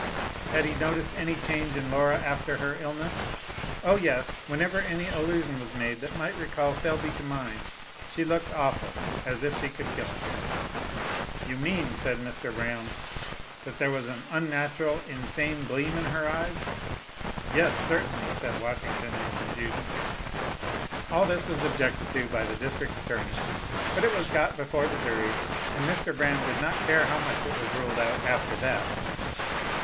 Had he noticed any change in Laura after her illness? Oh, yes. Whenever, any allusion was made that might recall Selby to mind, she looked awful as if she could kill him. "You mean," said Mr. Braham, "that there was an unnatural, insane gleam in her eyes?" "Yes, certainly," said Washington in confusion. All this was objected to by the district attorney, but it was got before the jury, and Mr. Braham did not care how much it was ruled out after that.